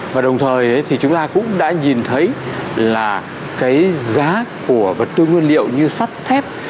và đồng thời thì chúng ta cũng đã nhìn thấy là cái giá của vật tư nguyên liệu như sắt thép